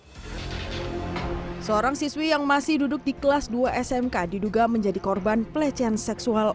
hai seorang siswi yang masih duduk di kelas dua smk diduga menjadi korban pelecehan seksual